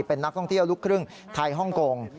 เป็นนักท่องเที่ยวลูกครึ่งไทยฮ่องกง